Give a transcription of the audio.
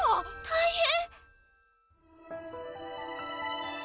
大変！